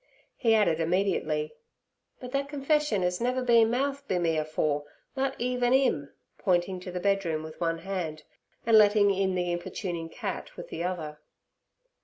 He added immediately: 'But thet confession 'as never been mouthed be me afore, nut even't 'im' pointing to the bedroom with one hand, and letting in the importuning cat with the other.